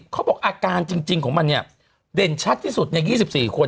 เขาบอกอาการจริงของมันเนี่ยเด่นชัดที่สุดใน๒๔คน